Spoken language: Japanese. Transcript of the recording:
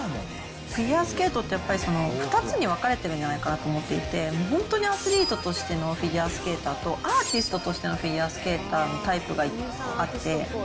フィギュアスケートってやっぱり、２つに分かれてるんじゃないかなと思ってて、本当にアスリートとしてのフィギュアスケーターと、アーティストとしてのフィギュアスケーターのタイプがあって。